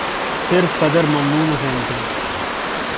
صرف صدر ممنون حسین تھے۔